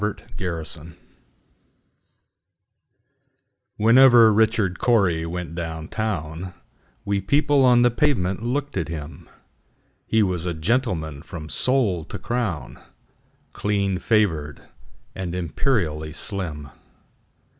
Richard Cory WHENEVER Richard Cory went down town, We people on the pavement looked at him:He was a gentleman from sole to crown, Clean favored, and imperially slim.